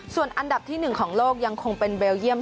ส่วนอันดับที่๑ของโลกยังคงเป็นเบลเยี่ยม